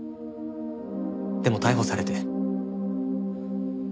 でも逮捕されて。